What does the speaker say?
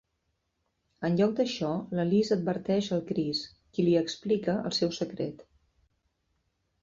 En lloc d'això, la Liz adverteix el Cris, qui li explica el seu secret.